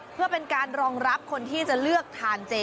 เพื่อเป็นการรองรับคนที่จะเลือกทานเจ